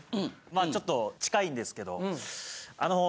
まあちょっと近いんですけど。